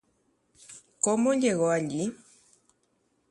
Mba'éichapa og̃uahẽ upépe.